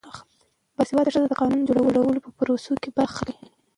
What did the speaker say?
باسواده ښځې د قانون جوړونې په پروسه کې برخه اخلي.